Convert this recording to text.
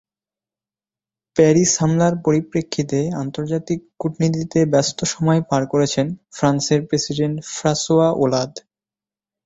Paris হামলার পরিপ্রেক্ষিতে আন্তর্জাতিক কূটনীতিতে ব্যস্ত সময় পার করছেন ফ্রান্সের প্রেসিডেন্ট ফ্রাঁসোয়া ওলাঁদ।